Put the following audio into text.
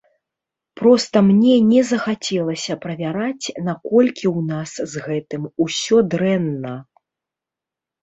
Проста мне не захацелася правяраць, наколькі ў нас з гэтым усё дрэнна.